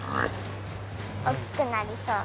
おっきくなりそう！